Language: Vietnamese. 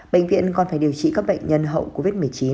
bệnh viện còn phải điều trị các bệnh nhân hậu covid một mươi chín